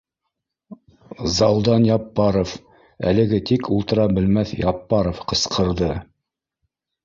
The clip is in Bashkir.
Залдан Яппаров, әлеге тик ултыра белмәҫ Яппаров ҡысҡырҙы: